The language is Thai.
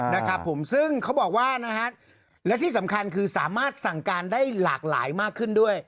นะครับผมซึ่งเขาบอกว่านะฮะและที่สำคัญคือสามารถสั่งการได้หลากหลายมากขึ้นด้วย